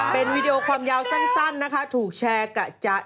เป็นวีดีโอความยาวสั้นนะคะถูกแชร์กะจะ